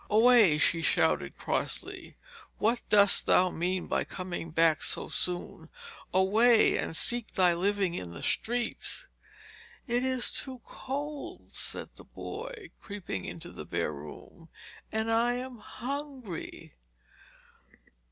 'Away!' she shouted crossly. 'What dost thou mean by coming back so soon? Away, and seek thy living in the streets.' 'It is too cold,' said the boy, creeping into the bare room, 'and I am hungry.'